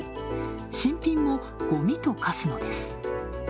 新品もごみと化すのです。